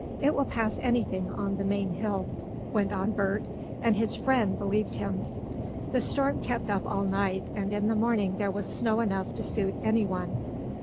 "It will pass anything on the main hill," went on Bert, and his friend believed him. The storm kept up all night, and in the morning there was snow enough to suit anyone.